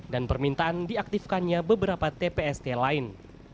dan permintaan diaktifkannya beberapa tpst lain